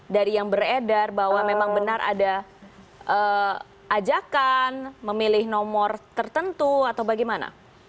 dari yang beredar bahwa memang benar ada ajakan memilih nomor tertentu atau bagaimana